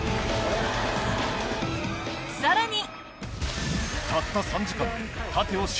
さらに！